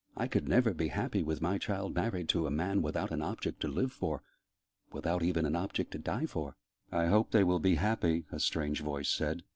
I could never be happy with my child married to a man without an object to live for without even an object to die for!" "I hope they will be happy," a strange voice said.